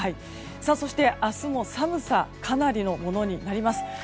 そして、明日も寒さかなりのものになります。